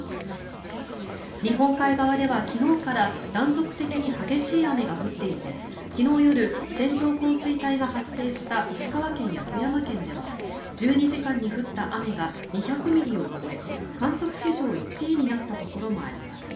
日本海側では昨日から断続的に激しい雨が降っていて昨日夜、線状降水帯が発生した石川県や富山県では１２時間に降った雨が２００ミリを超え観測史上１位になったところもあります。